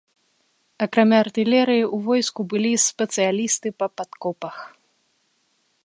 Акрамя артылерыі, у войску былі спецыялісты па падкопах.